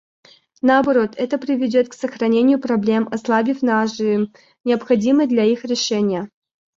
Наоборот, это приведет к сохранению проблем, ослабив нажим, необходимый для их решения.